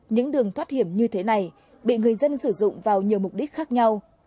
những đường thoát hiểm như thế này bị người dân sử dụng vào nhiều mục đích khác nhau